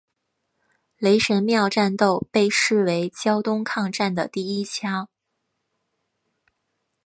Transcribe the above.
雷神庙战斗被视为胶东抗战的第一枪。